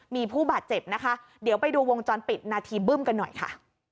มีผู้บาดเจ็บนะคะเดี๋ยวไปดูวงจรปิดนาทีบึ้มกันหน่อยค่ะ